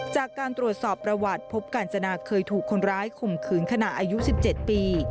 จากการตรวจสอบประวัติพบกาญจนาเคยถูกคนร้ายข่มขืนขณะอายุ๑๗ปี